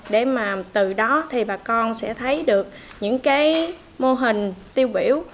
để mà từ đó thì bà con sẽ thấy được những cái mô hình tiêu biểu